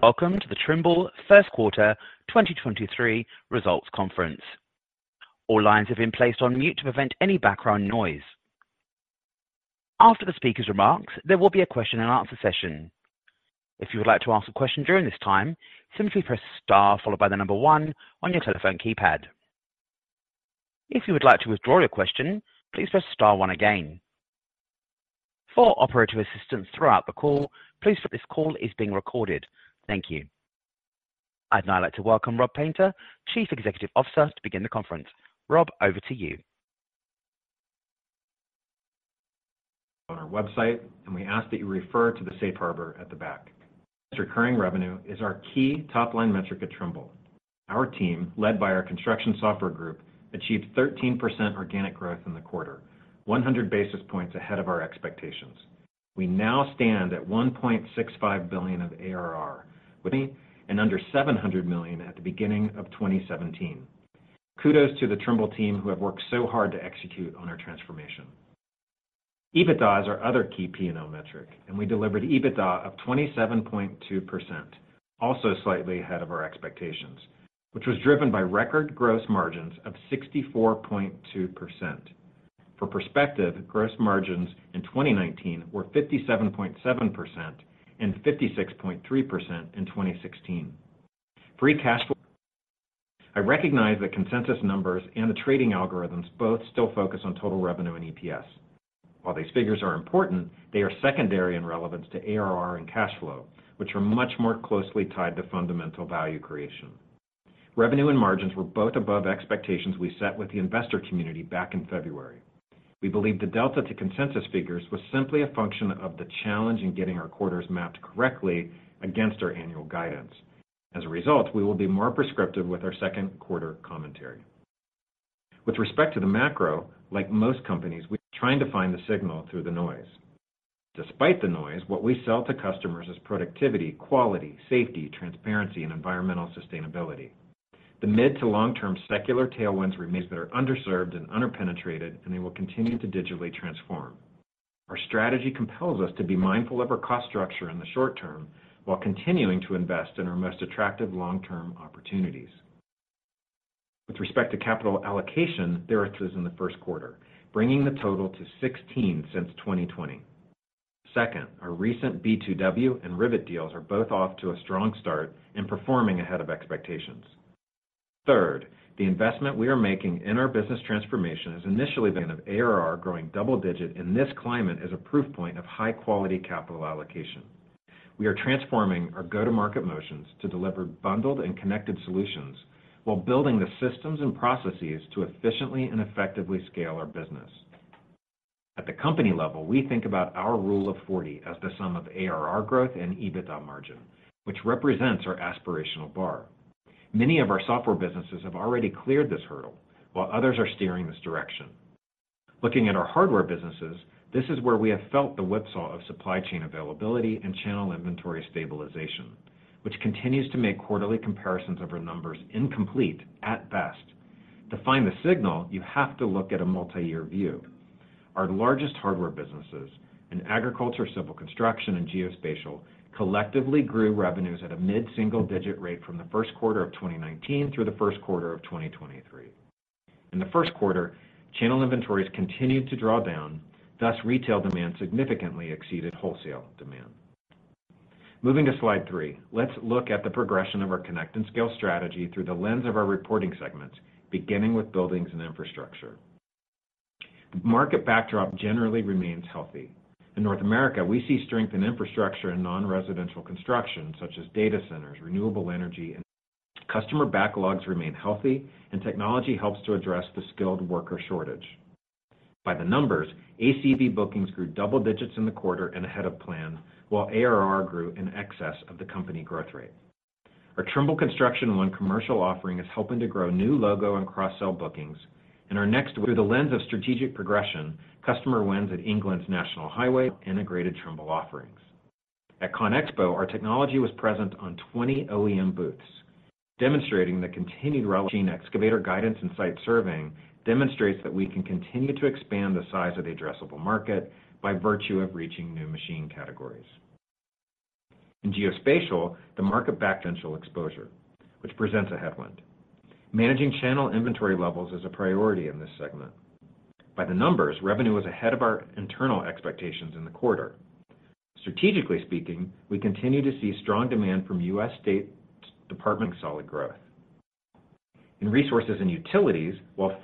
Welcome to the Trimble First Quarter 2023 Results Conference. I'd now like to welcome Rob Painter, Chief Executive Officer, to begin the conference. Rob, over to you. On our website, we ask that you refer to the safe harbor at the back. Recurring revenue is our key top-line metric at Trimble. Our team, led by our construction software group, achieved 13% organic growth in the quarter, 100 basis points ahead of our expectations. We now stand at $1.65 billion of ARR, and under $700 million at the beginning of 2017. Kudos to the Trimble team who have worked so hard to execute on our transformation. EBITDA is our other key P&L metric, and we delivered EBITDA of 27.2%, also slightly ahead of our expectations, which was driven by record gross margins of 64.2%. For perspective, gross margins in 2019 were 57.7% and 56.3% in 2016. Free cash flow. I recognize that consensus numbers and the trading algorithms both still focus on total revenue and EPS. While these figures are important, they are secondary in relevance to ARR and cash flow, which are much more closely tied to fundamental value creation. Revenue and margins were both above expectations we set with the investor community back in February. We believe the delta to consensus figures was simply a function of the challenge in getting our quarters mapped correctly, against our annual guidance. As a result, we will be more prescriptive with our second quarter commentary. With respect to the macro, like most companies, we're trying to find the signal through the noise. Despite the noise, what we sell to customers is productivity, quality, safety, transparency, and environmental sustainability. The mid to long-term secular tailwinds remains that are underserved and under-penetrated, and they will continue to digitally transform. Our strategy compels us to be mindful of our cost structure in the short term while continuing to invest in our most attractive long-term opportunities. With respect to capital allocation, there is in the first quarter, bringing the total to 16 since 2020. Second, our recent B2W and Ryvit deals are both off to a strong start and performing ahead of expectations. Third, the investment we are making in our business transformation has initially been of ARR growing double-digit in this climate as a proof point of high-quality capital allocation. We are transforming our go-to-market motions to deliver bundled and connected solutions while building the systems and processes to efficiently and effectively scale our business. At the company level, we think about our Rule of 40 as the sum of ARR growth and EBITDA margin, which represents our aspirational bar. Many of our software businesses have already cleared this hurdle, while others are steering this direction. Looking at our hardware businesses, this is where we have felt the whipsaw of supply chain availability and channel inventory stabilization, which continues to make quarterly comparisons of our numbers incomplete at best. To find the signal, you have to look at a multi-year view. Our largest hardware businesses in agriculture, civil construction, and geospatial collectively grew revenues at a mid-single digit rate from the first quarter of 2019 through the first quarter of 2023. In the first quarter, channel inventories continued to draw down, thus, retail demand significantly exceeded wholesale demand. Moving to slide three, let's look at the progression of our connect and scale strategy through the lens of our reporting segments, beginning with Buildings and Infrastructure. Market backdrop generally remains healthy. In North America, we see strength in infrastructure and non-residential construction, such as data centers, renewable energy, and customer backlogs remain healthy and technology helps to address the skilled worker shortage. By the numbers, ACV bookings grew double digits in the quarter and ahead of plan, while ARR grew in excess of the company growth rate. Our Trimble Construction One commercial offering is helping to grow new logo and cross-sell bookings. Through the lens of strategic progression, customer wins at England's National Highways integrated Trimble offerings. At CONEXPO, our technology was present on 20 OEM booths, demonstrating the continued relevant excavator guidance and site surveying demonstrates that we can continue to expand the size of the addressable market by virtue of reaching new machine categories. In geospatial, the market back potential exposure, which presents a headwind. Managing channel inventory levels is a priority in this segment. By the numbers, revenue was ahead of our internal expectations in the quarter. Strategically speaking, we continue to see strong demand from U.S. state departments showing solid growth. In Resources and Utilities, while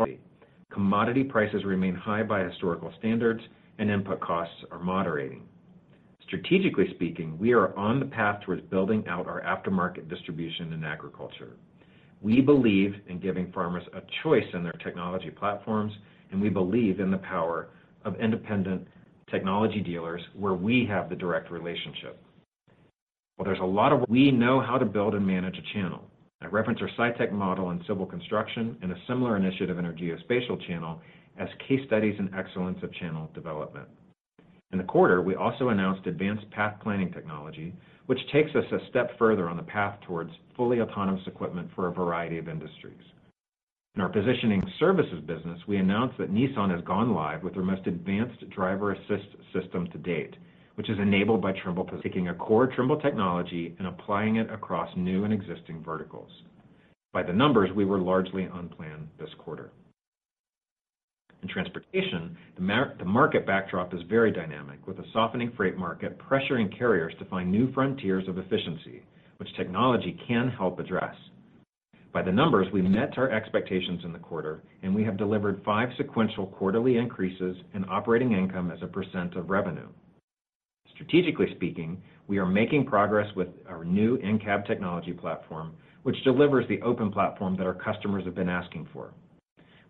commodity prices remain high by historical standards and input costs are moderating. Strategically speaking, we are on the path towards building out our after-market distribution in agriculture. We believe in giving farmers a choice in their technology platforms. We believe in the power of independent technology dealers where we have the direct relationship. We know how to build and manage a channel. I reference our SITECH model in civil construction and a similar initiative in our geospatial channel as case studies and excellence of channel development. In the quarter, we also announced advanced path planning technology, which takes us a step further on the path towards fully autonomous equipment for a variety of industries. In our positioning services business, we announced that Nissan has gone live with their most advanced driver assist system to date, which is enabled by Trimble taking a core Trimble technology and applying it across new and existing verticals. By the numbers, we were largely on plan this quarter. In transportation, the market backdrop is very dynamic, with a softening freight market pressuring carriers to find new frontiers of efficiency, which technology can help address. By the numbers, we met our expectations in the quarter, and we have delivered five sequential quarterly increases in operating income as a of revenue. Strategically speaking, we are making progress with our new In-cab technology platform, which delivers the open platform that our customers have been asking for.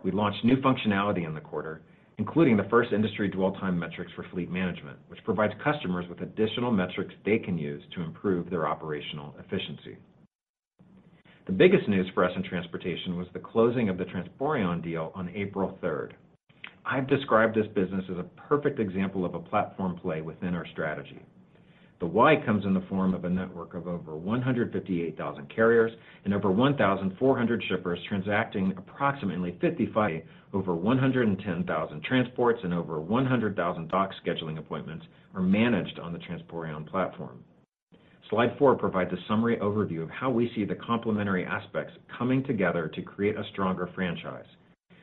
We launched new functionality in the quarter, including the first industry dwell time metrics for fleet management, which provides customers with additional metrics they can use to improve their operational efficiency. The biggest news for us in transportation was the closing of the Transporeon deal on April 3rd. I've described this business as a perfect example of a platform play within our strategy. The why comes in the form of a network of over 158,000 carriers and over 1,400 shippers transacting approximately 55 over 110,000 transports and over 100,000 dock scheduling appointments are managed on the Transporeon platform. Slide four provides a summary overview of how we see the complementary aspects coming together to create a stronger franchise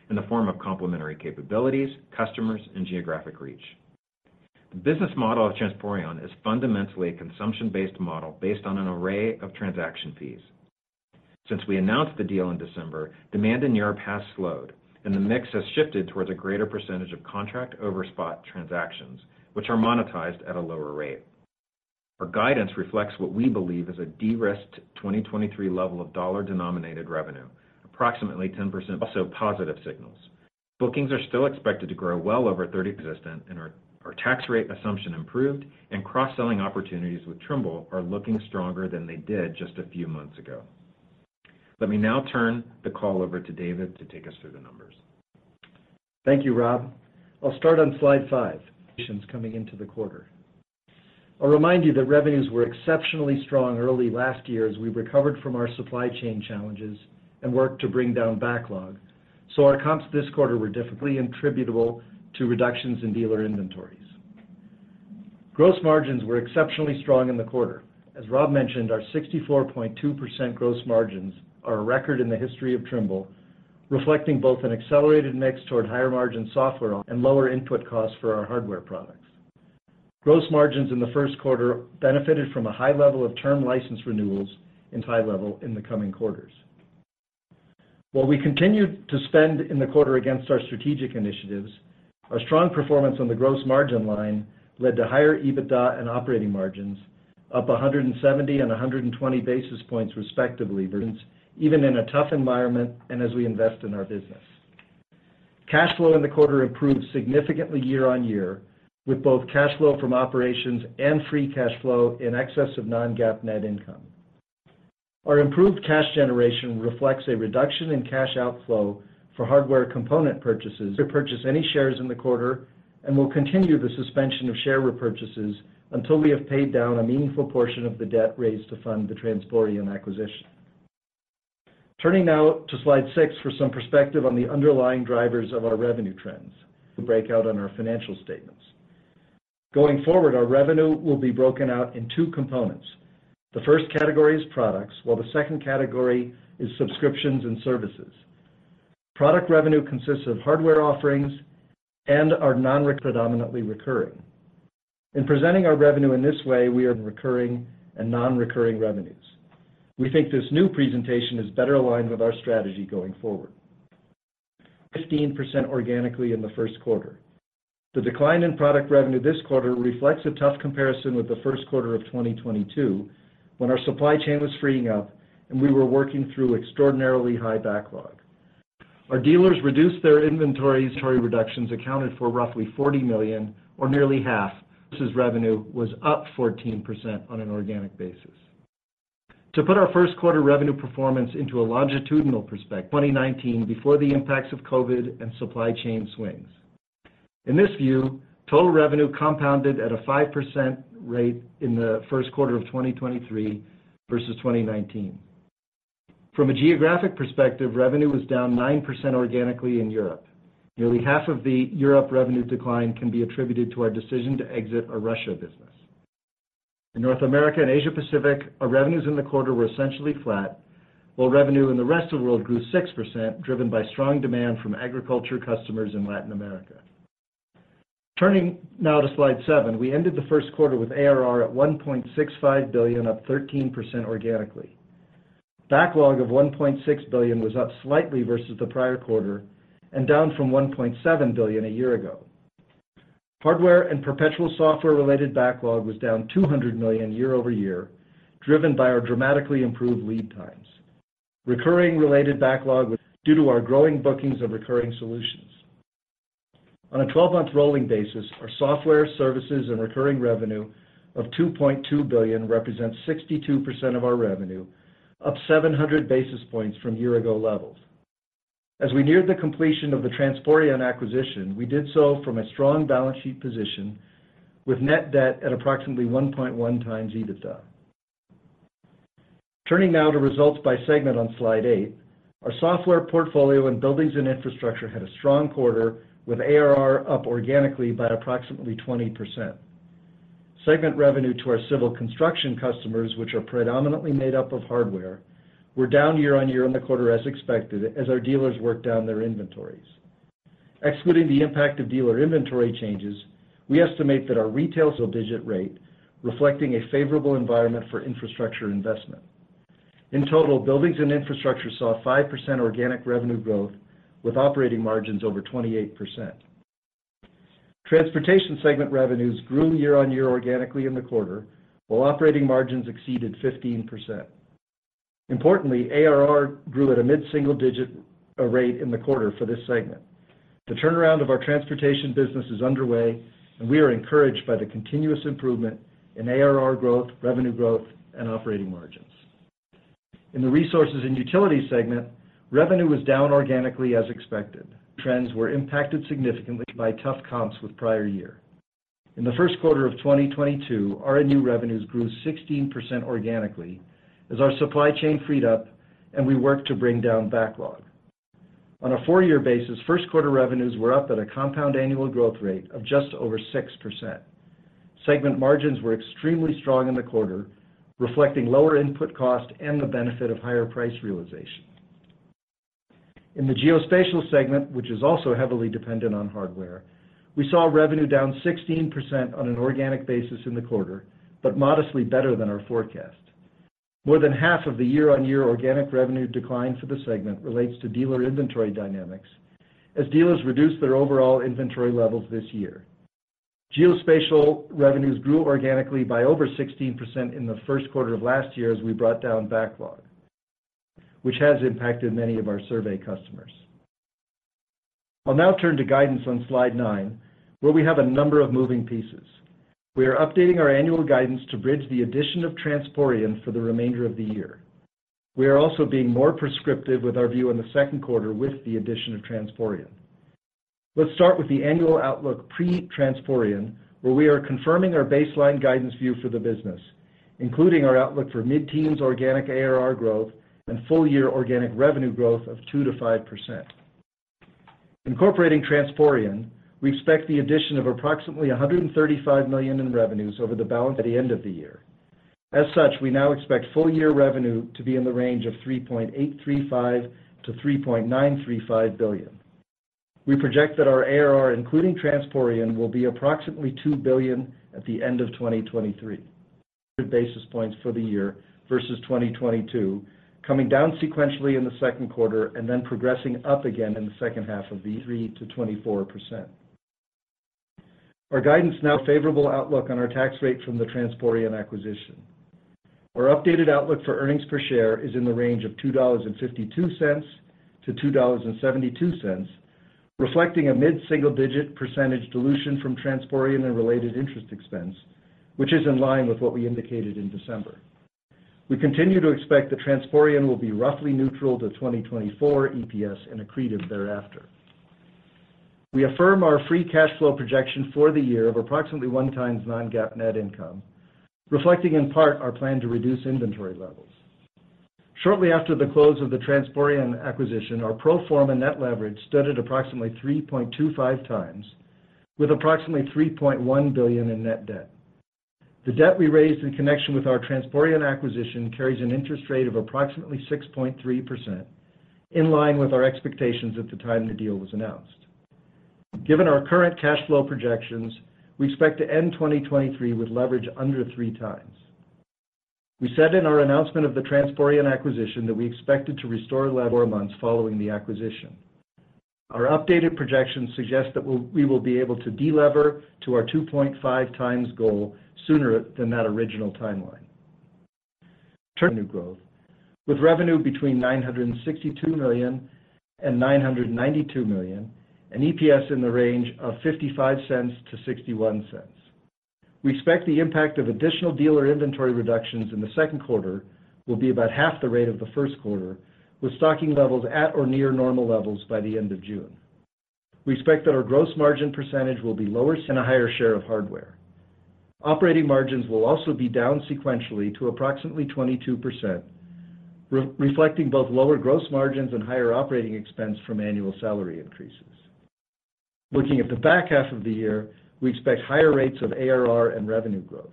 in the form of complementary capabilities, customers, and geographic reach. The business model of Transporeon is fundamentally a consumption-based model based on an array of transaction fees. Since we announced the deal in December, demand in Europe has slowed, and the mix has shifted towards a greater percentage of contract over spot transactions, which are monetized at a lower rate. Our guidance reflects what we believe is a de-risked 2023 level of dollar-denominated revenue, approximately 10% also positive signals. Bookings are still expected to grow well over 30%, and our tax rate assumption improved and cross-selling opportunities with Trimble are looking stronger than they did just a few months ago. Let me now turn the call over to David to take us through the numbers. Thank you, Rob. I'll start on slide five. Coming into the quarter. I'll remind you that revenues were exceptionally strong early last year as we recovered from our supply chain challenges and worked to bring down backlog. Our comps this quarter were differently attributable to reductions in dealer inventories. Gross margins were exceptionally strong in the quarter. As Rob mentioned, our 64.2% gross margins are a record in the history of Trimble, reflecting both an accelerated mix toward higher-margin software and lower input costs for our hardware products. Gross margins in the first quarter benefited from a high level of term license renewals and high level in the coming quarters. While we continued to spend in the quarter against our strategic initiatives, our strong performance on the gross margin line led to higher EBITDA and operating margins, up 170 and 120 basis points, respectively, even in a tough environment and as we invest in our business. Cash flow in the quarter improved significantly year-over-year, with both cash flow from operations and free cash flow in excess of non-GAAP net income. Our improved cash generation reflects a reduction in cash outflow for hardware component purchases. We didn't purchase any shares in the quarter and will continue the suspension of share repurchases until we have paid down a meaningful portion of the debt raised to fund the Transporeon acquisition. Turning now to slide six for some perspective on the underlying drivers of our revenue trends. We break out on our financial statements. Going forward, our revenue will be broken out in two components. The first category is products, while the second category is subscriptions and services. Product revenue consists of hardware offerings and are non-predominantly recurring. In presenting our revenue in this way, we are recurring and non-recurring revenues. We think this new presentation is better aligned with our strategy going forward. 15% organically in the first quarter. The decline in product revenue this quarter reflects a tough comparison with the first quarter of 2022, when our supply chain was freeing up and we were working through extraordinarily high backlog. Our dealers reduced their inventories. Inventory reductions accounted for roughly $40 million, or nearly half. Services revenue was up 14% on an organic basis. To put our first quarter revenue performance into a longitudinal perspective, 2019, before the impacts of COVID and supply chain swings. In this view, total revenue compounded at a 5% rate in the first quarter of 2023 versus 2019. From a geographic perspective, revenue was down 9% organically in Europe. Nearly half of the Europe revenue decline can be attributed to our decision to exit our Russia business. In North America and Asia Pacific, our revenues in the quarter were essentially flat, while revenue in the rest of the world grew 6%, driven by strong demand from agriculture customers in Latin America. Turning now to slide 7, we ended the first quarter with ARR at $1.65 billion, up 13% organically. Backlog of $1.6 billion was up slightly versus the prior quarter and down from $1.7 billion a year ago. Hardware and perpetual software-related backlog was down $200 million year-over-year, driven by our dramatically improved lead times. Recurring related backlog was due to our growing bookings of recurring solutions. On a 12-month rolling basis, our software, services, and recurring revenue of $2.2 billion represents 62% of our revenue, up 700 basis points from year ago levels. As we neared the completion of the Transporeon acquisition, we did so from a strong balance sheet position with net debt at approximately 1.1 times EBITDA. Turning now to results by segment on slide 8. Our software portfolio in Buildings and Infrastructure had a strong quarter with ARR up organically by approximately 20%. Segment revenue to our civil construction customers, which are predominantly made up of hardware, were down year-on-year on the quarter as expected as our dealers worked down their inventories. Excluding the impact of dealer inventory changes, we estimate that our retail digit rate reflecting a favorable environment for infrastructure investment. In total, Buildings and Infrastructure saw 5% organic revenue growth with operating margins over 28%. Transportation segment revenues grew year-over-year organically in the quarter, while operating margins exceeded 15%. Importantly, ARR grew at a mid-single digit rate in the quarter for this segment. The turnaround of our transportation business is underway, and we are encouraged by the continuous improvement in ARR growth, revenue growth, and operating margins. In the Resources and Utilities segment, revenue was down organically as expected. Trends were impacted significantly by tough comps with prior year. In the first quarter of 2022, RNU revenues grew 16% organically as our supply chain freed up and we worked to bring down backlog. On a four-year basis, first quarter revenues were up at a compound annual growth rate of just over 6%. Segment margins were extremely strong in the quarter, reflecting lower input cost and the benefit of higher price realization. In the geospatial segment, which is also heavily dependent on hardware, we saw revenue down 16% on an organic basis in the quarter, modestly better than our forecast. More than half of the year-over-year organic revenue decline for the segment relates to dealer inventory dynamics as dealers reduce their overall inventory levels this year. Geospatial revenues grew organically by over 16% in the first quarter of last year as we brought down backlog, which has impacted many of our survey customers. I'll now turn to guidance on slide 9, where we have a number of moving pieces. We are updating our annual guidance to bridge the addition of Transporeon for the remainder of the year. We are also being more prescriptive with our view in the second quarter with the addition of Transporeon. Let's start with the annual outlook pre-Transporeon, where we are confirming our baseline guidance view for the business, including our outlook for mid-teens organic ARR growth and full year organic revenue growth of 2%-5%. Incorporating Transporeon, we expect the addition of approximately $135 million in revenues over the balance at the end of the year. We now expect full year revenue to be in the range of $3.835 billion-$3.935 billion. We project that our ARR, including Transporeon, will be approximately $2 billion at the end of 2023. Basis points for the year versus 2022, coming down sequentially in the second quarter and then progressing up again in the second half of the 3%-24%. Our guidance now favorable outlook on our tax rate from the Transporeon acquisition. Our updated outlook for earnings per share is in the range of $2.52-$2.72, reflecting a mid-single digit percentage dilution from Transporeon and related interest expense, which is in line with what we indicated in December. We continue to expect that Transporeon will be roughly neutral to 2024 EPS and accretive thereafter. We affirm our free cash flow projection for the year of approximately one times non-GAAP net income, reflecting in part our plan to reduce inventory levels. Shortly after the close of the Transporeon acquisition, our pro forma net leverage stood at approximately 3.25x, with approximately $3.1 billion in net debt. The debt we raised in connection with our Transporeon acquisition carries an interest rate of approximately 6.3%, in line with our expectations at the time the deal was announced. Given our current cash flow projections, we expect to end 2023 with leverage under 3x. We said in our announcement of the Transporeon acquisition that we expected to restore months following the acquisition. Our updated projections suggest that we will be able to delever to our 2.5x goal sooner than that original timeline. New growth, with revenue between $962 million and $992 million, and EPS in the range of $0.55-$0.61. We expect the impact of additional dealer inventory reductions in the second quarter will be about half the rate of the first quarter, with stocking levels at or near normal levels by the end of June. We expect that our gross margin percentage will be lower and a higher share of hardware. Operating margins will also be down sequentially to approximately 22%, re-reflecting both lower gross margins and higher operating expense from annual salary increases. Looking at the back half of the year, we expect higher rates of ARR and revenue growth.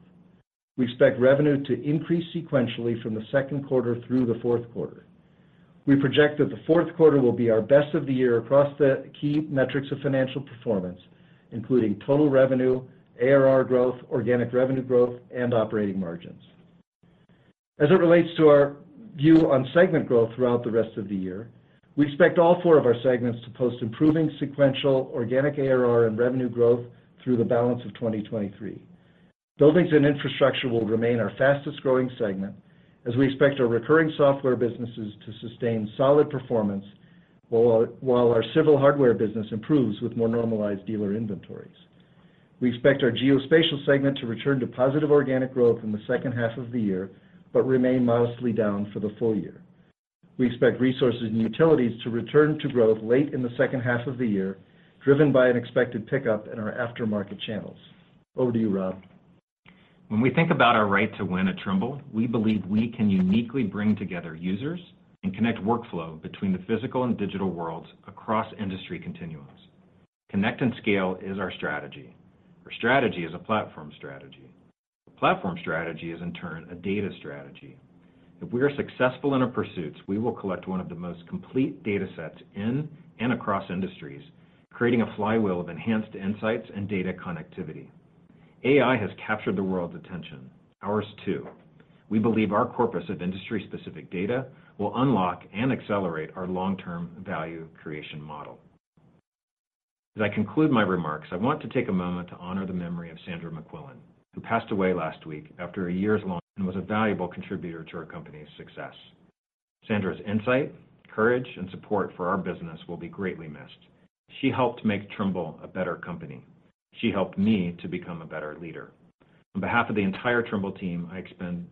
We expect revenue to increase sequentially from the second quarter through the fourth quarter. We project that the fourth quarter will be our best of the year across the key metrics of financial performance, including total revenue, ARR growth, organic revenue growth, and operating margins. As it relates to our view on segment growth throughout the rest of the year, we expect all four of our segments to post improving sequential organic ARR and revenue growth through the balance of 2023. Buildings and Infrastructure will remain our fastest-growing segment as we expect our recurring software businesses to sustain solid performance while our civil hardware business improves with more normalized dealer inventories. We expect our geospatial segment to return to positive organic growth in the second half of the year, but remain modestly down for the full year. We expect Resources and Utilities to return to growth late in the second half of the year, driven by an expected pickup in our aftermarket channels. Over to you, Rob. When we think about our right to win at Trimble, we believe we can uniquely bring together users and connect workflow between the physical and digital worlds across industry continuums. Connect and Scale is our strategy. Our strategy is a platform strategy. Platform strategy is in turn a data strategy. If we are successful in our pursuits, we will collect one of the most complete data sets in and across industries, creating a flywheel of enhanced insights and data connectivity. AI has captured the world's attention, ours too. We believe our corpus of industry-specific data will unlock and accelerate our long-term value creation model. As I conclude my remarks, I want to take a moment to honor the memory of Sandra MacQuillan, who passed away last week after a year's long, and was a valuable contributor to our company's success. Sandra's insight, courage, and support for our business will be greatly missed. She helped make Trimble a better company. She helped me, to become a better leader. On behalf of the entire Trimble team,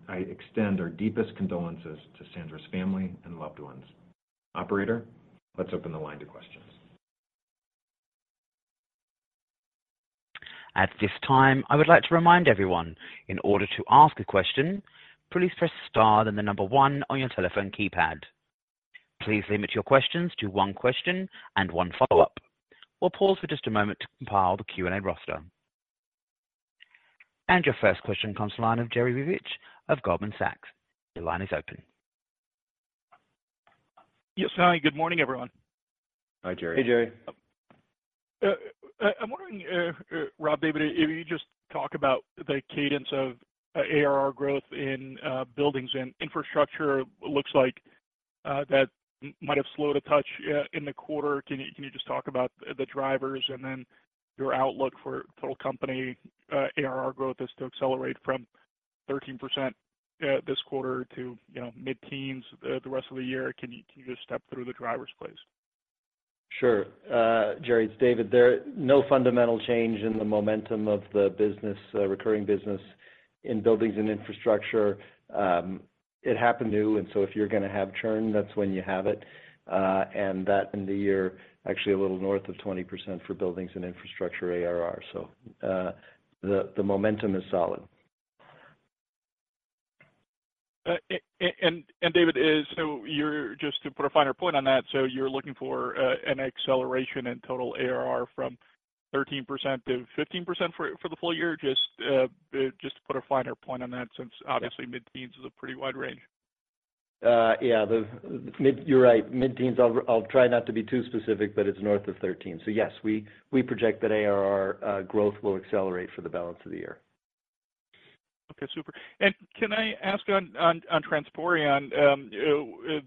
I extend our deepest condolences to Sandra's family and loved ones. Operator, let's open the line to questions. Your first question comes to the line of Jerry Revich, of Goldman Sachs. Your line is open. Yes. Hi, good morning, everyone. Hi, Jerry. Hey, Jerry. I'm wondering, Rob, David, if you just talk about the cadence of ARR growth in Buildings and Infrastructure looks like that might have slowed a touch in the quarter. Can you just talk about the drivers and then, your outlook for total company, ARR growth is to accelerate from 13% this quarter to, you know, mid-teens the rest of the year. Can you just step through the drivers, please? Sure. Jerry, it's David. No fundamental change in the momentum of the business, recurring business in Buildings and Infrastructure. It happened new. If you're gonna have churn, that's when you have it. That in the year, actually a little north of 20% for Buildings and Infrastructure ARR. The momentum is solid. David is, so you're just to put a finer point on that, so you're looking for an acceleration in total ARR from 13% to 15% for the full year? Just to put a finer point on that, since obviously mid-teens is a pretty wide range. Yeah. You're right, mid-teens. I'll try not to be too specific, but it's north of 13. Yes, we project that ARR growth will accelerate for the balance of the year. Okay, super. Can I ask on Transporeon,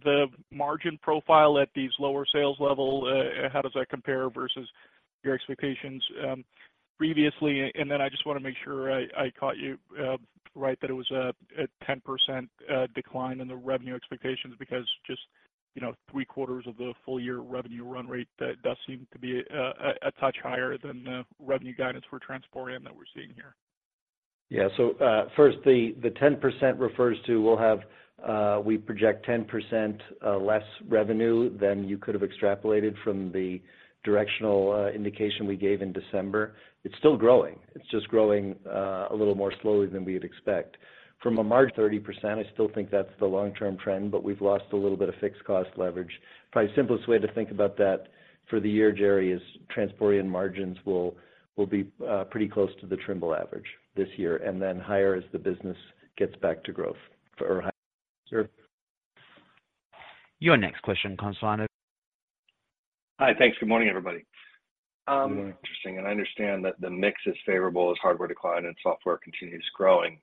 the margin profile at these lower sales level, how does that compare versus your expectations previously? Then I just wanna make sure I caught you right, that it was a 10% decline in the revenue expectations because just, you know, three quarters of the full year revenue run rate, that does seem to be a touch higher than the revenue guidance for Transporeon that we're seeing here. Yeah. First, the 10% refers to we'll have, we project 10% less revenue than you could have extrapolated from the directional indication we gave in December. It's still growing. It's just growing a little more slowly than we'd expect. From a margin, 30%, I still think that's the long-term trend, but we've lost a little bit of fixed cost leverage. Probably the simplest way to think about that for the year, Jerry, is Transporeon margins will be pretty close to the Trimble average this year, and then higher as the business gets back to growth or higher. Sure. Your next question comes from. Hi. Thanks. Good morning, everybody. Good morning. Interesting. I understand that the mix is favorable as hardware decline and software continues growing.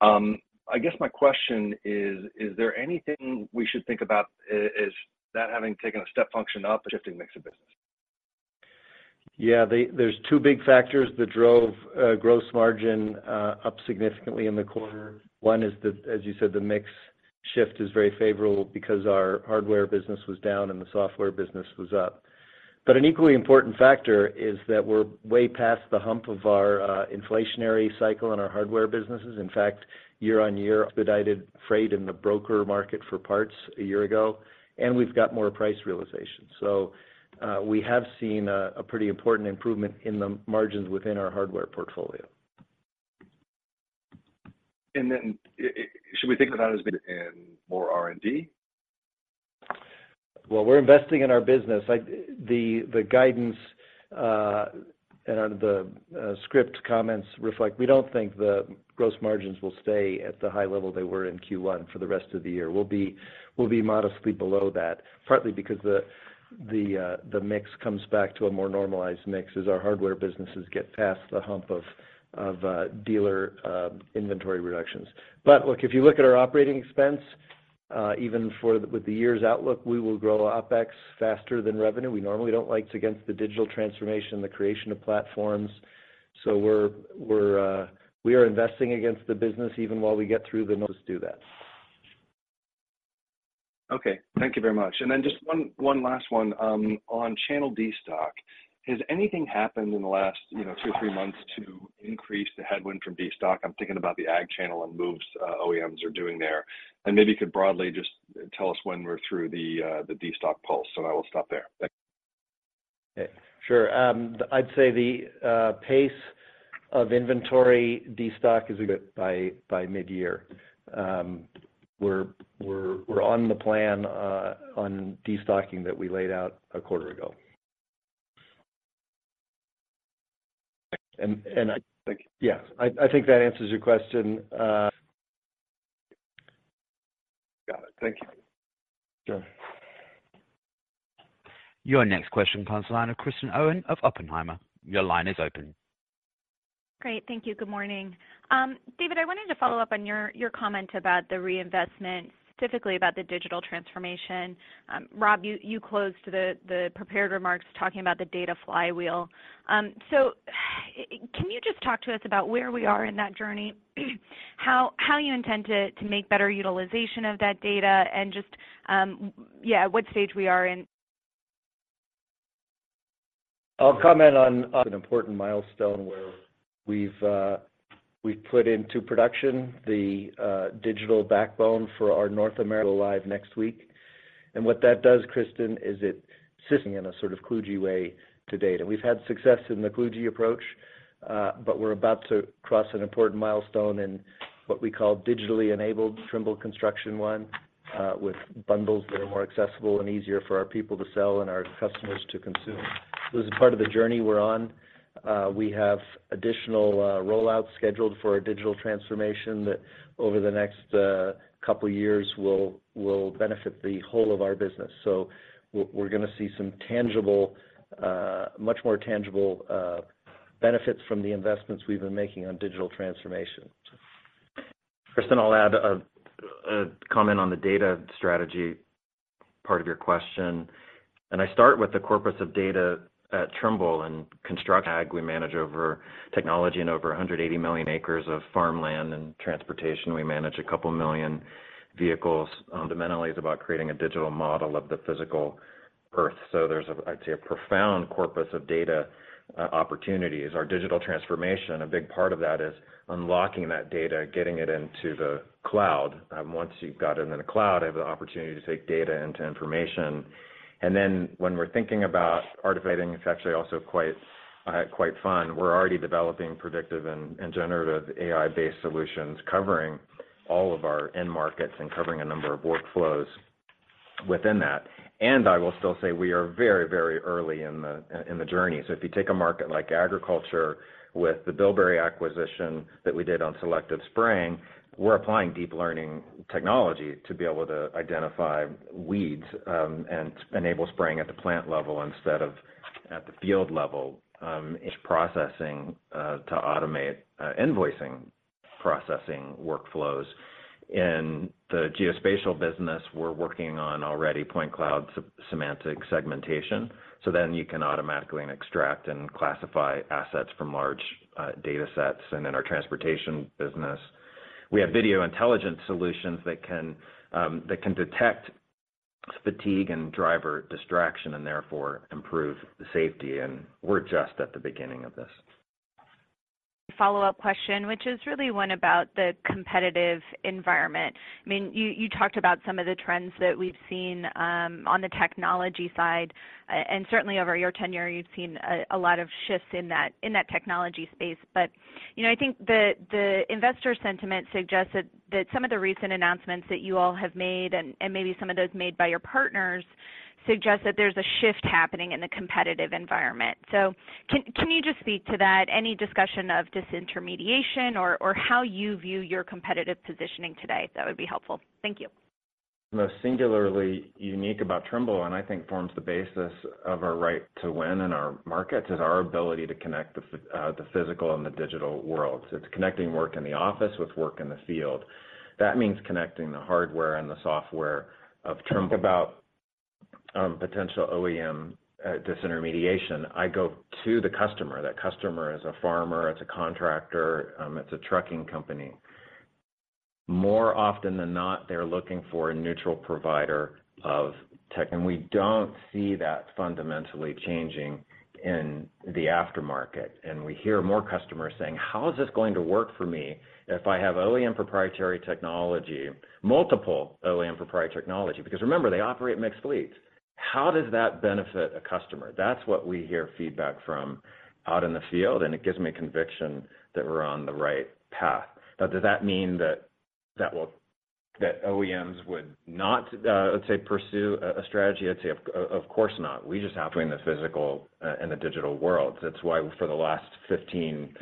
I guess my question is there anything we should think about is that having taken a step function up, a shifting mix of business? There's two big factors that drove gross margin up significantly in the quarter. One is the, as you said, the mix shift is very favorable because our hardware business was down and the software business was up. An equally important factor, is that we're way past the hump of our inflationary cycle in our hardware businesses. In fact, year-on-year, expedited freight in the broker market for parts a year ago, and we've got more price realization. We have seen a pretty important improvement in the margins within our hardware portfolio. Should we think of that as being in more R&D? We're investing in our business. The guidance and of the script comments reflect we don't think the gross margins will stay at the high level they were in quarter one for the rest of the year. We'll be modestly below that, partly because the mix comes back to a more normalized mix as our hardware businesses get past the hump of dealer inventory reductions. Look, if you look at our OpEx even for the year's outlook, we will grow OpEx faster than revenue. We normally don't like it against the digital transformation, the creation of platforms. We're, we are investing against the business even while we get through the most do that. Okay. Thank you very much. Just one last one, on channel destock. Has anything happened in the last, you know, two, three months to increase the headwind from destock? I'm thinking about the ag channel and moves, OEMs are doing there. Maybe you could broadly just tell us when we're through the destock pulse, I will stop there. Thanks. Yeah. Sure. I'd say the pace of inventory destock is a bit by mid-year. We're on the plan on destocking that we laid out a quarter ago. I. Yeah. I think that answers your question. Got it. Thank you. Sure. Your next question comes the line of Kristen Owen of Oppenheimer. Your line is open. Great. Thank you. Good morning. David, I wanted to follow up on your comment about the reinvestment, specifically about the digital transformation. Rob, you closed the prepared remarks talking about the Data Flywheel. Can you just talk to us about where we are in that journey? How you intend to make better utilization of that data and just, yeah, what stage we are in? I'll comment on an important milestone where we've put into production, the digital backbone for our North America live next week. What that does, Kristen, is it sits in a sort of kludgy way to date. We've had success in the kludgy approach, but we're about to cross an important milestone in what we call, Digitally Enabled Trimble Construction One, with bundles that are more accessible and easier for our people to sell and our customers to consume. As a part of the journey we're on, we have additional rollouts scheduled for our digital transformation that over the next couple years will benefit the whole of our business. We're gonna see some tangible, much more tangible benefits from the investments we've been making on digital transformation. Kristen, I'll add a comment on the data strategy part of your question. I start with the corpus of data at Trimble. In Construction ag, we manage over technology and over 180 million acres of farmland. In transportation, we manage a couple million vehicles. Fundamentally, it's about creating a digital model of the physical earth. There's a, I'd say, a profound corpus of data opportunities. Our digital transformation, a big part of that is unlocking that data, getting it into the cloud. Once you've got it in the cloud, I have the opportunity to take data into information. When we're thinking about artifacting, it's actually also quite fun. We're already developing predictive and generative AI-based solutions covering all of our end markets and covering a number of workflows within that. I will still say we are very, very early in the journey. If you take a market like agriculture, with the Bilberry acquisition that we did on selective spraying, we're applying deep learning technology to be able to identify weeds, and enable spraying at the plant level instead of at the field level. Image processing to automate invoicing processing workflows. In the geospatial business, we're working on already point cloud semantic segmentation, so then you can automatically extract and classify assets from large data sets. In our transportation business, we have video intelligence solutions that can detect fatigue and driver distraction and therefore improve safety. We're just at the beginning of this. Follow-up question, which is really one about the competitive environment. I mean, you talked about some of the trends that we've seen on the technology side. Certainly over your tenure, you've seen a lot of shifts in that technology space. You know, I think the investor sentiment suggests that some of the recent announcements that you all have made and maybe some of those made by your partners suggest that there's a shift happening in the competitive environment. Can you just speak to that? Any discussion of disintermediation or how you view your competitive positioning today? That would be helpful. Thank you. Most singularly unique about Trimble, I think forms the basis of our right to win in our markets, is our ability to connect the physical and the digital world. It's connecting work in the office with work in the field. That means, connecting the hardware and the software of Trimble. Think about potential OEM disintermediation. I go to the customer. That customer is a farmer, it's a contractor, it's a trucking company. More often than not, they're looking for a neutral provider of tech. We don't see that fundamentally changing in the aftermarket. We hear more customers saying, "How is this going to work for me if I have OEM proprietary technology, multiple OEM proprietary technology?" Remember, they operate mixed fleets. How does that benefit a customer? That's what we hear feedback from out in the field, and it gives me conviction that we're on the right path. Does that mean that OEMs would not, let's say, pursue a strategy? I'd say of course not. We just have to in the physical and the digital world. That's why for the last 15,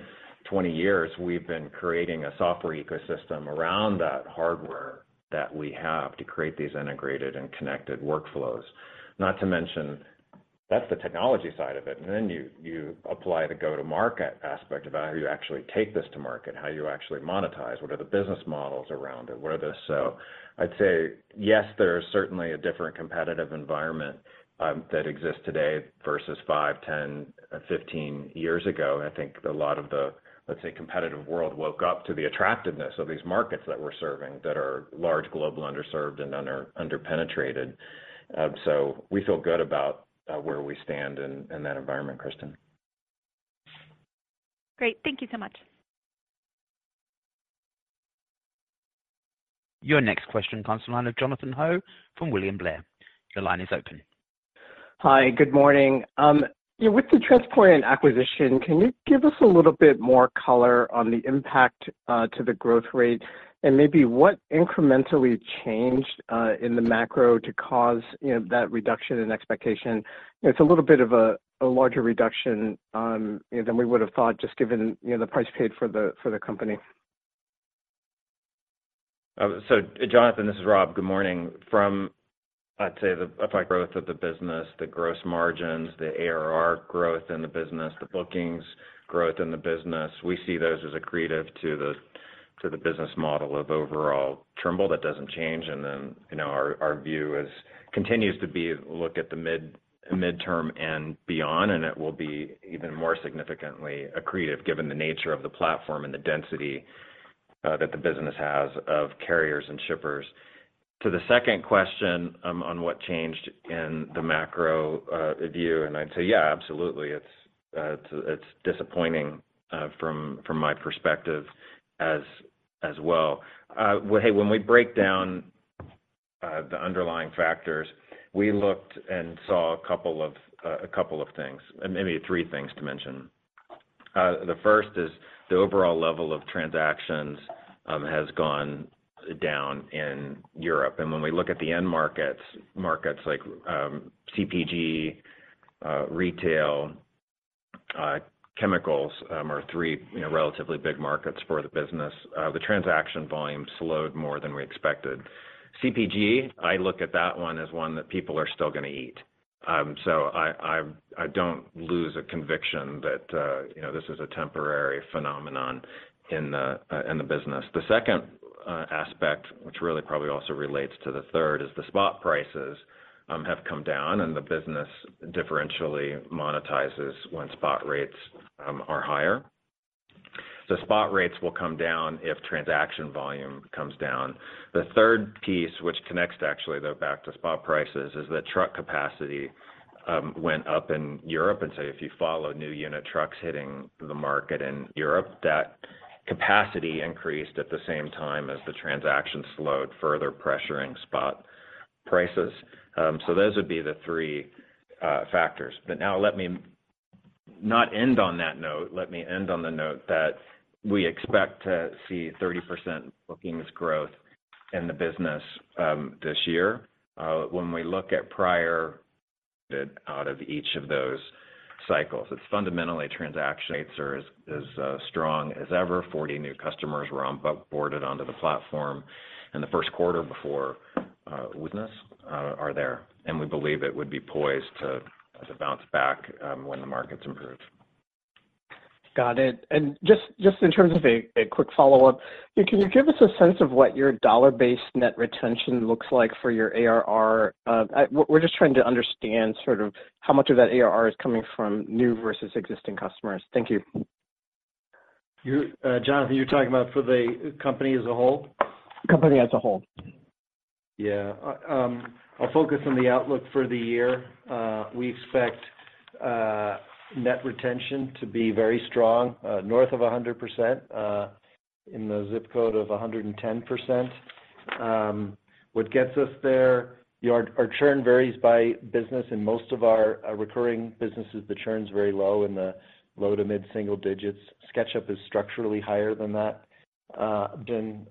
20 years, we've been creating a software ecosystem around that hardware that we have to create these integrated and connected workflows. Not to mention, that's the technology side of it, you apply the go-to-market aspect about how you actually take this to market, how you actually monetize, what are the business models around it? I'd say yes, there is certainly a different competitive environment that exists today versus five, 10, 15 years ago. I think a lot of the, let's say, competitive world woke up to the attractiveness of these markets that we're serving that are large, global, underserved, and under-penetrated. We feel good about, where we stand in that environment, Kristen. Great. Thank you so much. Your next question comes the line of Jonathan Ho from William Blair. Your line is open. Hi, good morning. Yeah, with the Transporeon acquisition, can you give us a little bit more color on the impact to the growth rate and maybe what incrementally changed in the macro to cause, you know, that reduction in expectation? It's a little bit of a larger reduction, you know, than we would have thought, just given, you know, the price paid for the, for the company. Jonathan, this is Rob. Good morning. From, I'd say, the effect growth of the business, the gross margins, the ARR growth in the business, the bookings growth in the business, we see those as accretive to the business model of overall Trimble. That doesn't change. You know, our view continues to be look at the midterm and beyond, and it will be even more significantly accretive given the nature of the platform and the density that the business has of carriers and shippers. To the second question, on what changed in the macro view, I'd say, yeah, absolutely. It's disappointing from my perspective as well. Well, hey, when we break down the underlying factors, we looked and saw a couple of, a couple of things, maybe three things to mention. The first is, the overall level of transactions has gone down in Europe. When we look at the end markets like CPG, retail, chemicals, are three, you know, relatively big markets for the business. The transaction volume slowed more than we expected. CPG, I look at that one as one that people are still gonna eat. So I, I don't lose a conviction that, you know, this is a temporary phenomenon in the business. The second aspect, which really probably also relates to the third, is the spot prices have come down and the business differentially monetizes when spot rates are higher. The spot rates will come down if transaction volume comes down. The third piece, which connects actually though back to spot prices, is that truck capacity went up in Europe. If you follow new unit trucks hitting the market in Europe, that capacity increased at the same time as the transaction slowed, further pressuring spot prices. Those would be the three factors. Let me not end on that note. Let me end on the note that we expect to see 30% bookings growth in the business this year. When we look at prior out of each of those cycles, it's fundamentally transaction rates are as strong as ever. Forty new customers were on-boarded onto the platform in the first quarter before, and we believe it would be poised to bounce back, when the markets improve. Got it. Just in terms of a quick follow-up, can you give us a sense of what your dollar-based net retention looks like for your ARR? We're just trying to understand sort of how much of that ARR is coming from new versus existing customers? Thank you. Jonathan, you're talking about for the company as a whole? Company as a whole. I'll focus on the outlook for the year. We expect net retention to be very strong, north of 100%, in the ZIP code of 110%. What gets us there, you know, our churn varies by business. In most of our recurring businesses, the churn's very low in the low to mid-single digits. SketchUp is structurally higher than that. Been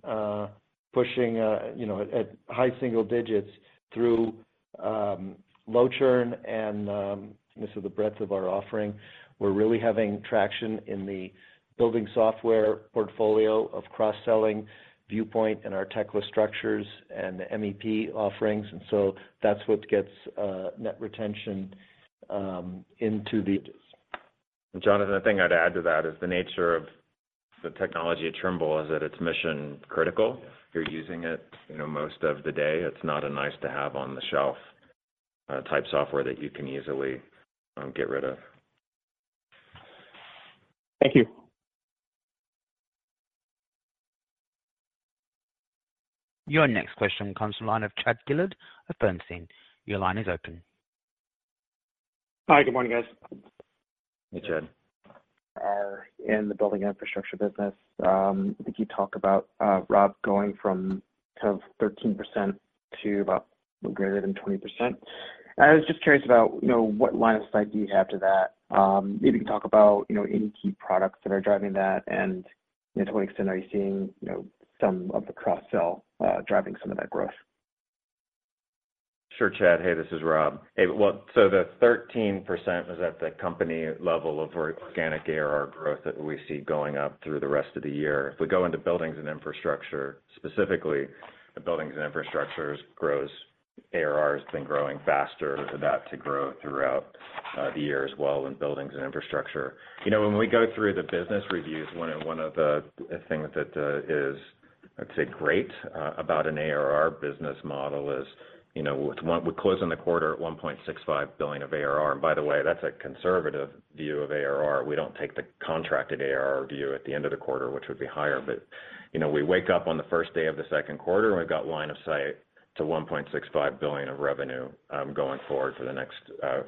pushing, you know, at high single digits through low churn and just with the breadth of our offering. We're really having traction in the building software portfolio of cross-selling Viewpoint and our Tekla Structures, and the MEP offerings. That's what gets net retention. Jonathan, the thing I'd add to that is the nature of the technology at Trimble is that it's mission critical. You're using it, you know, most of the day. It's not a nice-to-have-on-the-shelf, type software that you can easily get rid of. Thank you. Your next question comes from the line of Chad Dillard of Bernstein. Your line is open. Hi. Good morning, guys. Hey, Chad. In the Buildings and Infrastructure business, I think you talk about, Rob, going from kind of 13% to about greater than 20%. I was just curious about, you know, what line of sight do you have to that. Maybe you can talk about, you know, any key products that are driving that and to what extent are you seeing, you know, some of the cross-sell driving some of that growth? Chad. This is Rob. The 13% was at the company level of organic ARR growth that we see going up through the rest of the year. If we go into Buildings and Infrastructure, specifically the Buildings and Infrastructures grows, ARR has been growing faster for that to grow throughout the year as well in Buildings and Infrastructure. You know, when we go through the business reviews, one of the things that is, I'd say, great about an ARR business model is, you know, we're closing the quarter at $1.65 billion of ARR. By the way, that's a conservative view of ARR. We don't take the contracted ARR view at the end of the quarter, which would be higher. You know, we wake up on the first day of the second quarter and we've got line of sight to $1.65 billion of revenue going forward for the next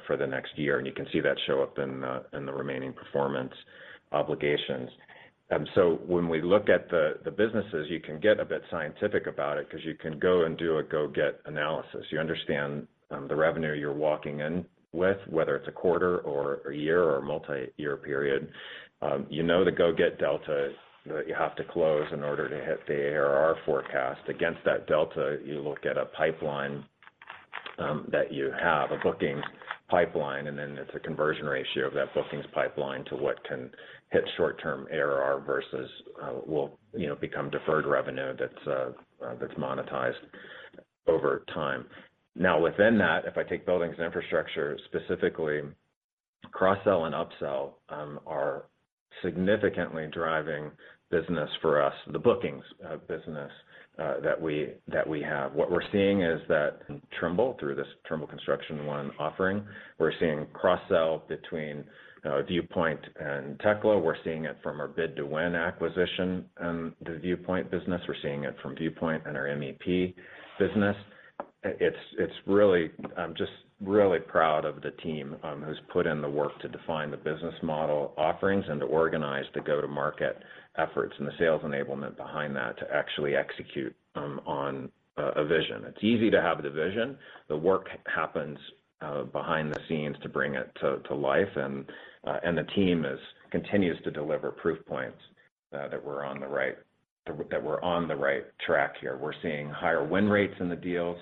for the next year. You can see that show up in the remaining performance obligations. When we look at the businesses, you can get a bit scientific about it because you can go and do a go-get analysis. You understand the revenue you're walking in with, whether it's a quarter or a year or a multiyear period. You know the go-get delta that you have to close in order to hit the ARR forecast. Against that delta, you look at a pipeline that you have, a bookings pipeline, and then it's a conversion ratio of that bookings pipeline to what can hit short-term ARR versus, you know, become deferred revenue that's monetized over time. Within that, if I take Buildings and Infrastructure specifically, cross-sell and up-sell are significantly driving business for us, the bookings of business that we, that we have. What we're seeing is that Trimble, through this Trimble Construction One offering, we're seeing cross-sell between Viewpoint and Tekla. We're seeing it from our Bid2Win acquisition in the Viewpoint business. We're seeing it from Viewpoint and our MEP business. I'm just really proud of the team who's put in the work to define the business model offerings and to organize the go-to-market efforts and the sales enablement behind that to actually execute on a vision. It's easy to have the vision. The work happens behind the scenes to bring it to life. The team continues to deliver proof points that we're on the right track here. We're seeing higher win rates in the deals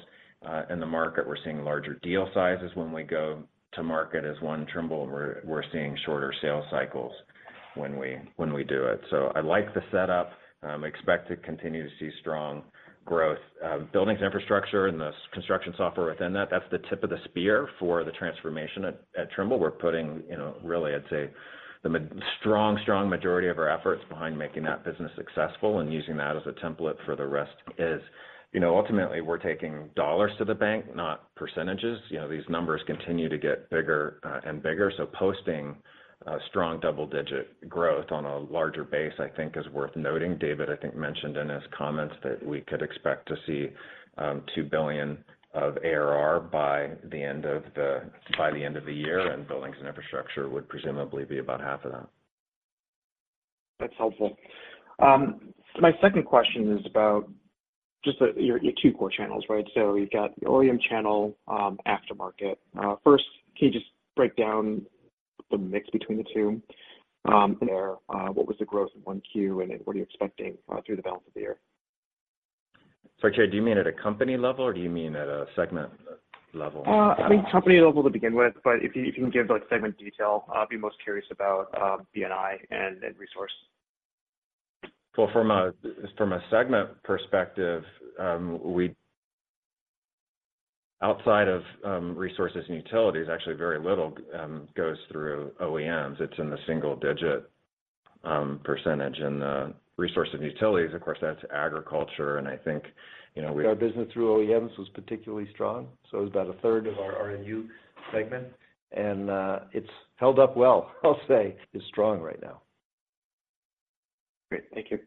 in the market. We're seeing larger deal sizes when we go to market as one Trimble. We're seeing shorter sales cycles when we do it. I like the setup. Expect to continue to see strong growth. Buildings and Infrastructure and the construction software within that's the tip of the spear for the transformation at Trimble. We're putting, you know, really, I'd say, the strong majority of our efforts behind making that business successful and using that as a template for the rest is, you know, ultimately, we're taking dollars to the bank, not percentages. You know, these numbers continue to get bigger and bigger. Posting strong double-digit growth on a larger base, I think is worth noting. David, I think, mentioned in his comments that we could expect to see $2 billion of ARR by the end of the year, and Buildings and Infrastructure would presumably be about half of that. That's helpful. My second question is about your two core channels, right? You've got the OEM channel, aftermarket. First, can you just break down the mix between the two? There, what was the growth in quarter one, and what are you expecting through the balance of the year? Sorry, Jay, do you mean at a company level or do you mean at a segment level? I mean, company level to begin with, but if you can give segment detail, I'll be most curious about B&I and then resource. From a segment perspective, Outside of Resources and Utilities, actually very little goes through OEMs. It's in the single-digit percentage. The Resources and Utilities, of course, that's agriculture. I think, you know, our business through OEMs was particularly strong, so it was about a third of our RNU segment. It's held up well, I'll say. It's strong right now. Great. Thank you.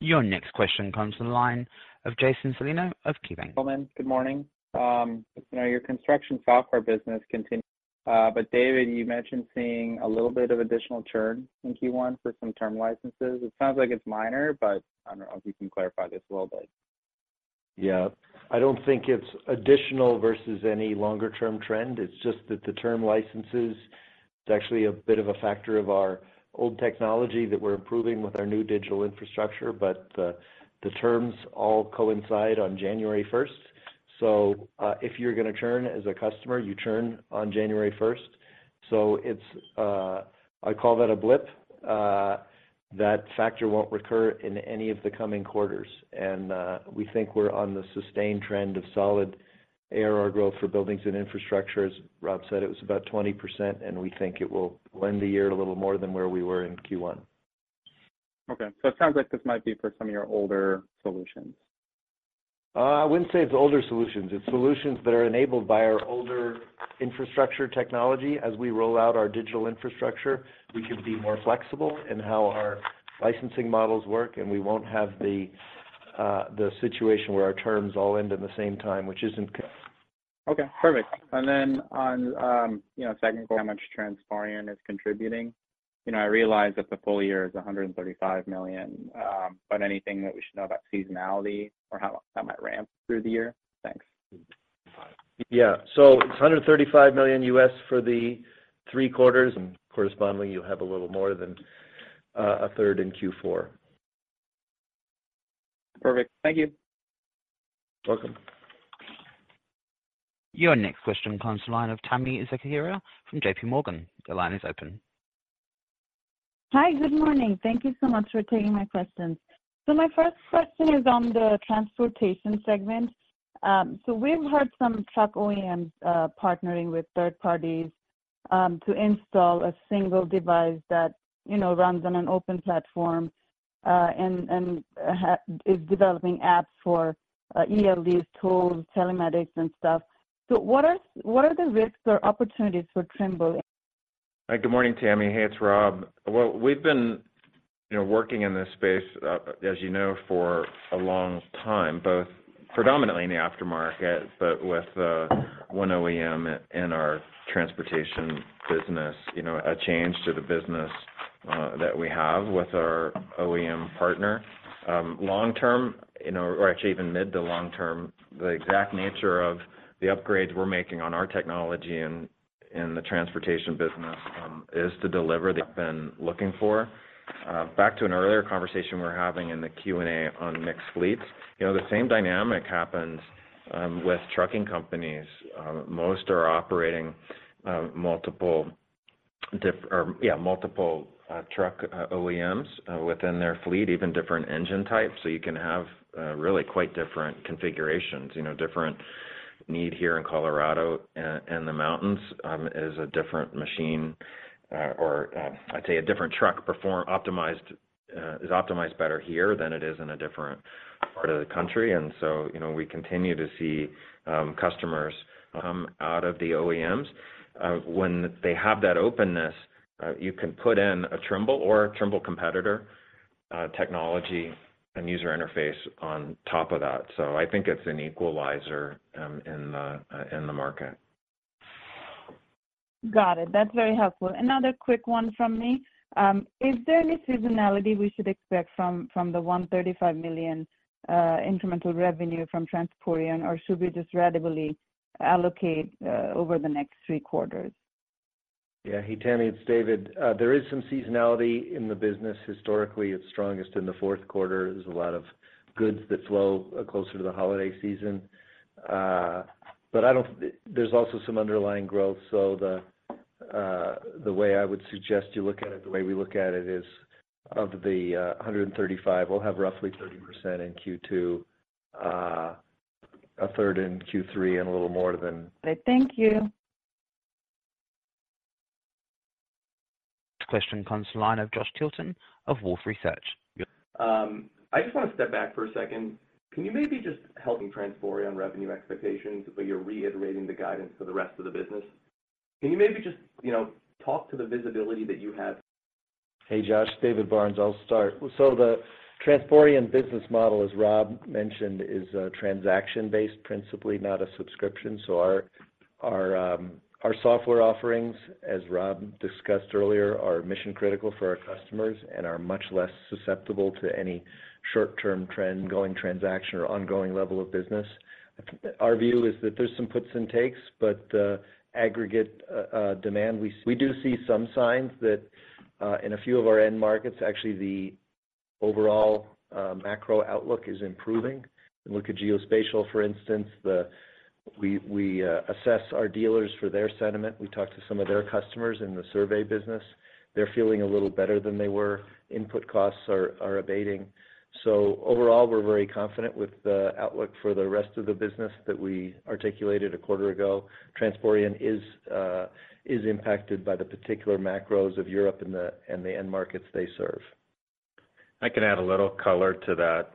Your next question comes from the line of Jason Celino of KeyBanc. Good morning. you know, your construction software business continue. David, you mentioned seeing a little bit of additional churn in quarter one for some term licenses. It sounds like it's minor, but I don't know if you can clarify this a little bit. Yeah. I don't think it's additional versus any longer-term trend. It's just that the term licenses is actually a bit of a factor of our old technology that we're improving with our new digital infrastructure. The terms all coincide on January first. If you're gonna churn as a customer, you churn on January first. It's I call that a blip. That factor won't recur in any of the coming quarters. We think we're on the sustained trend of solid ARR growth for Buildings and Infrastructure. As Rob said, it was about 20%, and we think it will lend the year a little more than where we were in quarter. Okay. It sounds like this might be for some of your older solutions. I wouldn't say it's older solutions. It's solutions that are enabled by our older infrastructure technology. As we roll out our digital infrastructure, we can be more flexible in how our licensing models work, and we won't have the situation where our terms all end at the same time, which isn't.. Okay. Perfect. You know, second, how much Transporeon is contributing. You know, I realize that the full year is $135 million, anything that we should know about seasonality or how it might ramp through the year? Thanks. Yeah. It's $135 million for the three quarters, and correspondingly you'll have a little more than a third in fourth quarter. Perfect. Thank you. Welcome. Your next question comes to the line of Tami Zakaria from J.P. Morgan. The line is open. Hi. Good morning. Thank you so much for taking my questions. My first question is on the transportation segment. We've heard some truck OEMs partnering with third parties to install a single device that, you know, runs on an open platform and is developing apps for ELDs, tolls, telematics and stuff. What are the risks or opportunities for Trimble? Hi. Good morning, Tami Zakaria. Hey, it's Rob. Well, we've been working in this space, as you know, for a long time, both predominantly in the aftermarket, but with one OEM in our transportation business, you know, a change to the business that we have with our OEM partner. Long term, you know, or actually even mid to long term, the exact nature of the upgrades we're making on our technology in the transportation business, is to deliver they've been looking for. Back to an earlier conversation we were having in the Q&A on mixed fleets. You know, the same dynamic happens with trucking companies. Most are operating multiple diff or, yeah, multiple truck OEMs within their fleet, even different engine types. You can have really quite different configurations. You know, different need here in Colorado and the mountains, is a different machine, or, I'd say a different truck perform optimized, is optimized better here than it is in a different part of the country. You know, we continue to see customers come out of the OEMs. When they have that openness, you can put in a Trimble or a Trimble competitor, technology and user interface on top of that. I think it's an equalizer in the market. Got it. That's very helpful. Another quick one from me. Is there any seasonality we should expect from the $135 million incremental revenue from Transporeon? Should we just ratably allocate over the next three quarters? Yeah. Hey, Tami, it's David. There is some seasonality in the business. Historically, it's strongest in the fourth quarter. There's a lot of goods that flow closer to the holiday season. I don't... There's also some underlying growth. The way I would suggest you look at it, the way we look at it is, of the $135, we'll have roughly 30% in second quarter, a third in third quarter, and a little more than. Right. Thank you. Question comes to line of Josh Tilton of Wolfe Research. I just wanna step back for a second. Can you maybe just help me Transporeon revenue expectations, but you're reiterating the guidance for the rest of the business? Can you maybe just, you know, talk to the visibility that you have? Hey, Josh. David Barnes. I'll start. The Transporeon business model, as Rob mentioned, is transaction-based principally, not a subscription. Our software offerings, as Rob discussed earlier, are mission-critical for our customers and are much less susceptible to any short-term trend going transaction or ongoing level of business. Our view is that there's some puts and takes, but aggregate demand, We do see some signs that in a few of our end markets, actually the overall macro outlook is improving. Look at Geospatial, for instance. We assess our dealers for their sentiment. We talk to some of their customers in the survey business. They're feeling a little better than they were. Input costs are abating. Overall, we're very confident with the outlook for the rest of the business that we articulated a quarter ago. Transporeon is impacted by the particular macros of Europe and the end markets they serve. I can add a little color to that.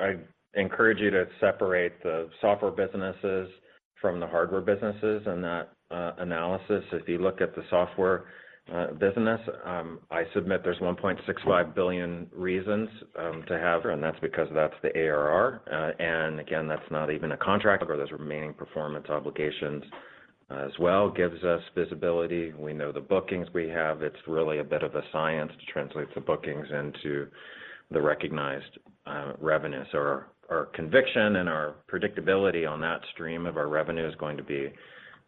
I encourage you to separate the software businesses from the hardware businesses in that analysis. If you look at the software business, I submit there's $1.65 billion reasons to have, and that's because that's the ARR. And again, that's not even a contract of those remaining performance obligations as well gives us visibility. We know the bookings we have. It's really a bit of a science to translate the bookings into the recognized revenues. Our conviction and our predictability on that stream of our revenue is going to be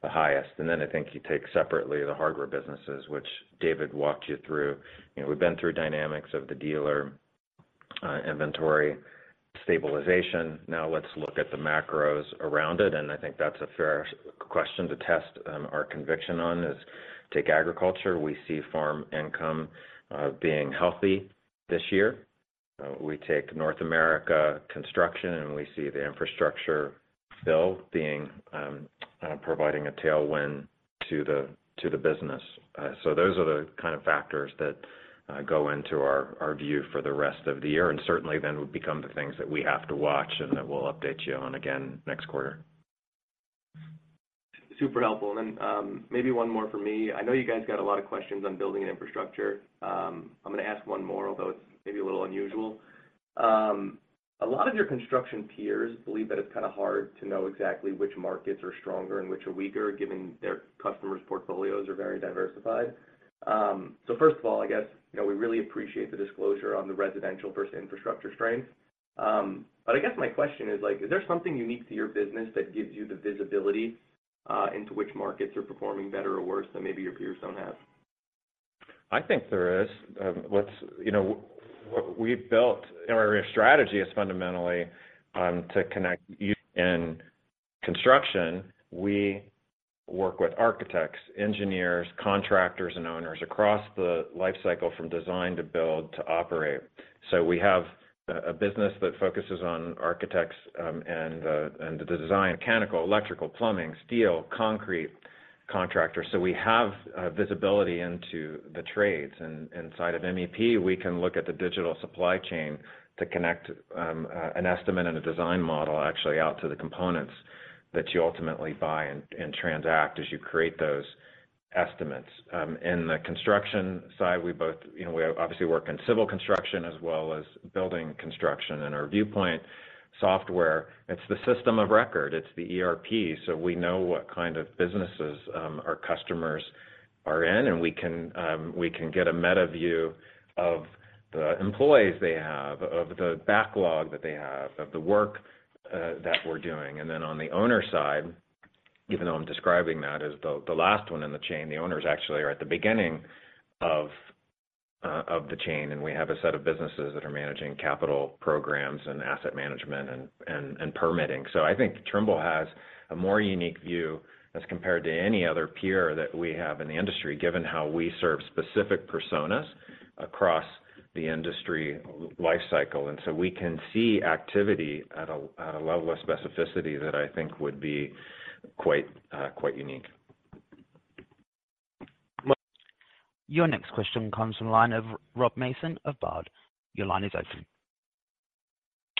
the highest. I think you take separately the hardware businesses, which David walked you through. You know, we've been through dynamics of the dealer inventory stabilization. Let's look at the macros around it, and I think that's a fair question to test our conviction on is take agriculture. We see farm income being healthy this year. We take North America construction, and we see the infrastructure bill being providing a tailwind to the, to the business. Those are the kind of factors that go into our view for the rest of the year and certainly then would become the things that we have to watch and that we'll update you on again next quarter. Super helpful. Then, maybe one more for me. I know you guys got a lot of questions on Buildings and Infrastructure. I'm gonna ask one more, although it's maybe a little unusual. A lot of your construction peers believe that it's kind of hard to know exactly which markets are stronger and which are weaker, given their customers' portfolios are very diversified. First of all, I guess, you know, we really appreciate the disclosure on the residential versus infrastructure strength. I guess my question is like, is there something unique to your business that gives you the visibility into which markets are performing better or worse than maybe your peers don't have? I think there is. Let's, you know, what we've built or our strategy is fundamentally to connect you in construction. We work with architects, engineers, contractors, and owners across the life cycle from design to build to operate. We have a business that focuses on architects, and the design, mechanical, electrical, plumbing, steel, concrete contractors. We have visibility into the trades. Inside of MEP, we can look at the digital supply chain to connect an estimate and a design model actually out to the components that you ultimately buy and transact as you create those estimates. In the construction side, we both, you know, we obviously work in civil construction as well as building construction. Our Viewpoint. It's the system of record, it's the ERP. We know what kind of businesses our customers are in, and we can get a meta view of the employees they have, of the backlog that they have, of the work that we're doing. Then on the owner side, even though I'm describing that as the last one in the chain, the owners actually are at the beginning of the chain. We have a set of businesses that are managing capital programs and asset management and permitting. I think Trimble has a more unique view as compared to any other peer that we have in the industry, given how we serve specific personas across the industry life cycle. We can see activity at a level of specificity that I think would be quite unique. Your next question comes from the line of Rob Mason of Baird. Your line is open.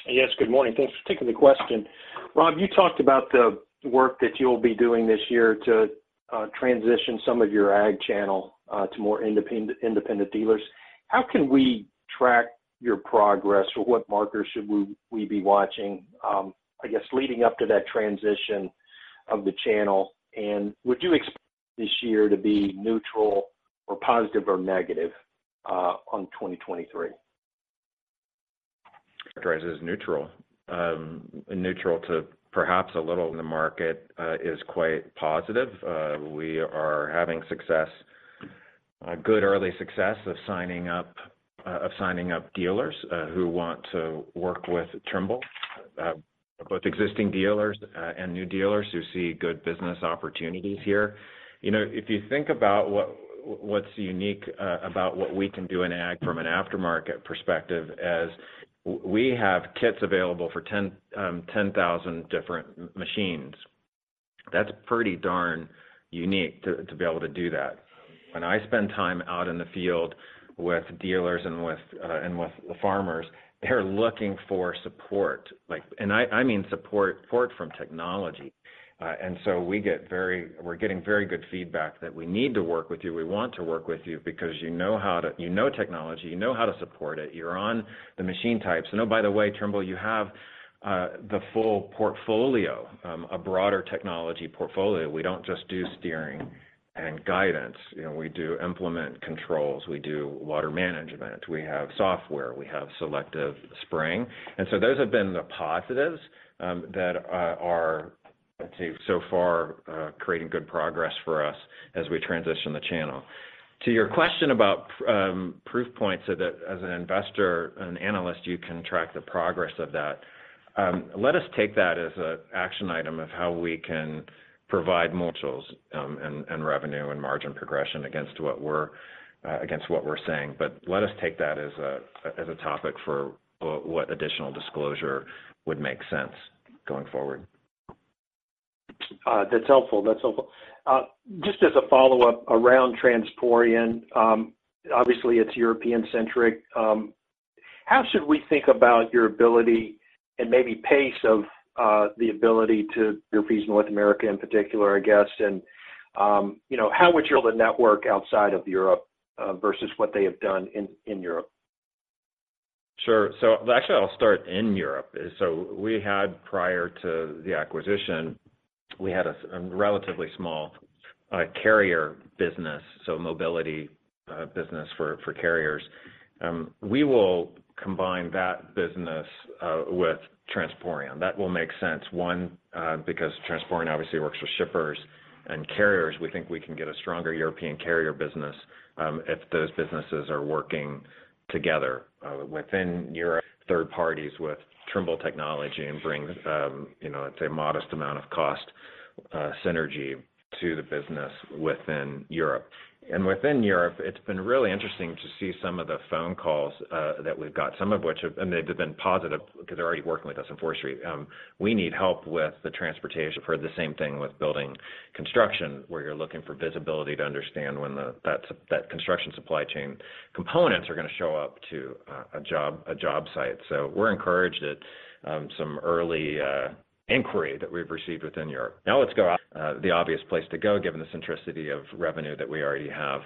Yes, good morning. Thanks for taking the question. Rob, you talked about the work that you'll be doing this year to transition some of your ag channel to more independent dealers. How can we track your progress, or what markers should we be watching, I guess, leading up to that transition of the channel? Would you expect this year to be neutral or positive or negative on 2023? I'd characterize it as neutral. Neutral to perhaps a little in the market is quite positive. We are having success, a good early success of signing up dealers who want to work with Trimble, both existing dealers and new dealers who see good business opportunities here. You know, if you think about what's unique about what we can do in ag from an aftermarket perspective, as we have kits available for 10,000 different machines. That's pretty darn unique to be able to do that. When I spend time out in the field with dealers and with the farmers, they're looking for support. Like, I mean support from technology. We're getting very good feedback that we need to work with you, we want to work with you because you know how to. You know technology, you know how to support it. You're on the machine types. Oh, by the way, Trimble, you have the full portfolio, a broader technology portfolio. We don't just do steering and guidance. You know, we do implement controls, we do water management, we have software, we have selective spraying. Those have been the positives that are, I'd say, so far, creating good progress for us as we transition the channel. To your question about proof points so that as an investor and analyst, you can track the progress of that. Let us take that as an action item of how we can provide multiples, in revenue and margin progression against what we're, against what we're saying. Let us take that as a, as a topic for what additional disclosure would make sense going forward. That's helpful. Just as a follow-up around Transporeon, obviously, it's European-centric, how should we think about your ability and maybe pace of the ability to increase North America in particular, I guess, and, you know, how would you network outside of Europe versus what they have done in Europe? Sure. actually, I'll start in Europe. we had, prior to the acquisition, we had a relatively small carrier business, so mobility business for carriers. We will combine that business with Transporeon. That will make sense, one, because Transporeon obviously works with shippers and carriers. We think we can get a stronger European carrier business, if those businesses are working together, within Europe, third parties with Trimble technology and bring, you know, it's a modest amount of cost synergy to the business within Europe. Within Europe, it's been really interesting to see some of the phone calls that we've got, some of which have. They've been positive because they're already working with us in forestry. We need help with the transportation for the same thing with building construction, where you're looking for visibility to understand when that construction supply chain components are gonna show up to a job site. We're encouraged at some early inquiry that we've received within Europe. Now let's go the obvious place to go given the centricity of revenue that we already have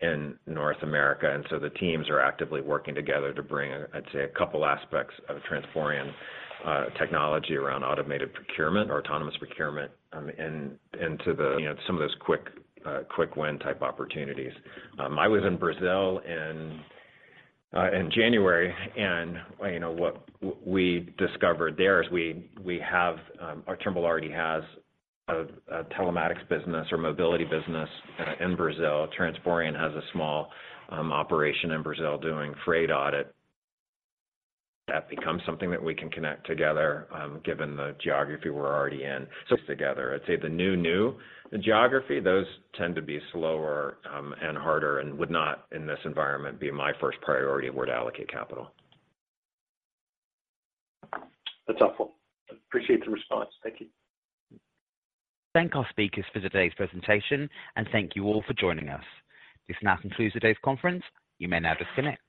in North America. The teams are actively working together to bring, I'd say, a couple aspects of Transporeon technology around automated procurement, autonomous procurement into, you know, some of those quick win type opportunities. I was in Brazil in January, and you know what we discovered there is we have or Trimble already has a telematics business or mobility business in Brazil. Transporeon has a small operation in Brazil doing freight audit. That becomes something that we can connect together, given the geography we're already in. Together, I'd say the new geography, those tend to be slower and harder and would not, in this environment, be my first priority of where to allocate capital. That's helpful. Appreciate the response. Thank you. Thank our speakers for today's presentation, and thank you all for joining us. This now concludes today's conference. You may now disconnect.